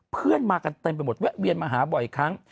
เพื่อนมากันเต็มไปหมดแวะเวียนมาหาบ่อยครั้ง